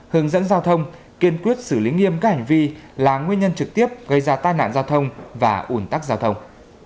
hướng dẫn giao thông kiên quyết xử lý nghiêm các hành vi là nguyên nhân trực tiếp gây ra tai nạn giao thông và ủn tắc giao thông